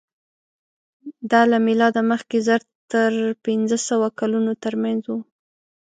دا له مېلاده مخکې زر تر پینځهسوه کلونو تر منځ وو.